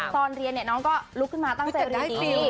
ตอนเรียนน้องก็ลุกขึ้นมาตั้งเตรียมดี